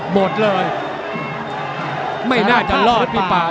หมดเลยไม่น่าจะรอดพี่ป่า